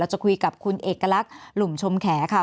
จะคุยกับคุณเอกลักษณ์หลุมชมแขค่ะ